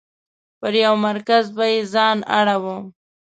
پر یو مرکز به یې ځان اړوه.